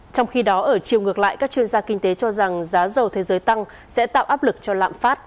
trong khi đó ở chiều ngược lại các chuyên gia kinh tế cho rằng giá dầu thế giới tăng sẽ tạo áp lực cho lạm phát